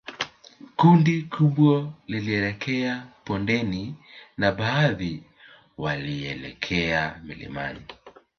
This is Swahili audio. Kundi kubwa lilielekea bondeni na baadhi walielekea milimani